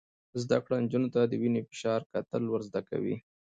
زده کړه نجونو ته د وینې فشار کتل ور زده کوي.